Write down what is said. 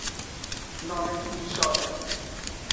Navê min Dilşad e.